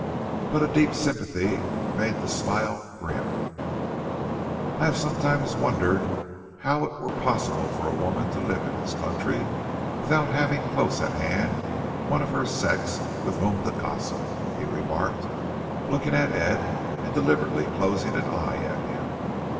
But a deep sympathy made the smile grim. "I have sometimes wondered how it were possible for a woman to live in this country without having close at hand one of her sex with whom to gossip," he remarked, looking at Ed and deliberately closing an eye at him.